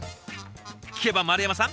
聞けば丸山さん